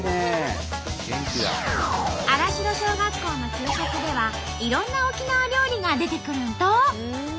新城小学校の給食ではいろんな沖縄料理が出てくるんと。